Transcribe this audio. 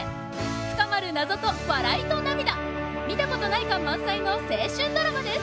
深まる謎と笑いと涙見たことない感満載の青春ドラマです！